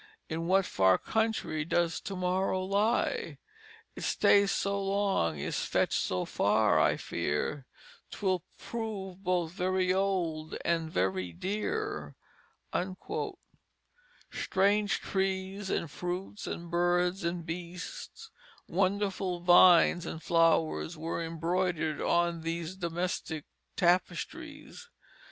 In what far Country does To morrow lie? It stays so long, is fetch'd so far, I fear 'Twill prove both very old, and very dear." Strange trees and fruits and birds and beasts, wonderful vines and flowers, were embroidered on these domestic tapestries.